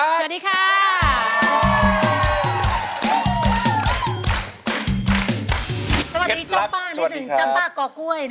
เท็จรักส่ว่าดีงั้นครับเจ้าหนีจ้ะป้านี้สิจ้ะป้ากลอกกล้วย